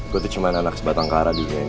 gue tuh cuman anak sebatang kara di dunia ini